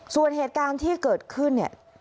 ส่วนเหตุการณ์ที่เกิดขึ้นเนี่ย